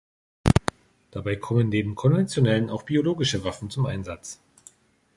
Dabei kommen neben konventionellen auch biologische Waffen zum Einsatz.